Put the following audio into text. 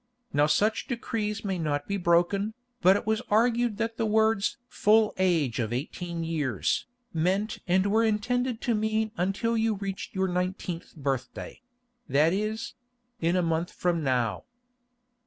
Now such decrees may not be broken, but it was argued that the words 'full age of eighteen years,' meant and were intended to mean until you reached your nineteenth birthday; that is—in a month from now."